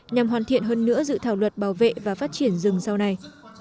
nhằm hoàn thiện hơn nữa dự thảo luật bảo vệ và phát triển rừng sau này